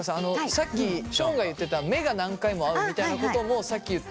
さっきションが言ってた目が何回も合うみたいなこともさっき言った。